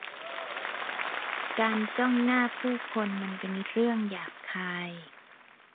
การจ้องหน้าผู้คนมันเป็นเรื่องหยาบคาย